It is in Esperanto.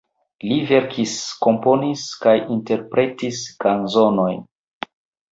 Li verkis, komponis kaj interpretis kanzonojn.